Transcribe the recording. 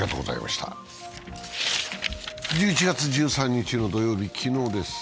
１１月１３日の土曜日、昨日です。